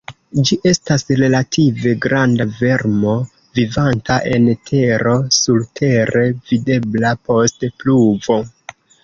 Ĝi estas relative granda vermo vivanta en tero, surtere videbla post pluvo.